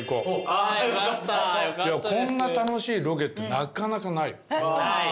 いやこんな楽しいロケってなかなかない。